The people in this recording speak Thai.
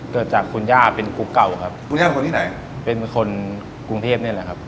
เกิดจากคุณย่าเป็นกุ๊กเก่าครับคุณย่าคนที่ไหนเป็นคนกรุงเทพนี่แหละครับ